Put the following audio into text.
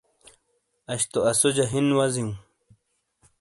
اش تو اسوجہ ہِن وزیوں۔